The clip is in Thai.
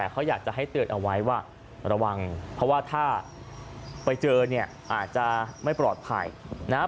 เขาอยากจะให้เตือนเอาไว้ว่าระวังเพราะว่าถ้าไปเจอเนี่ยอาจจะไม่ปลอดภัยนะครับ